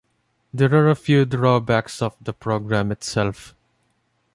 There are a few drawbacks of the program itself.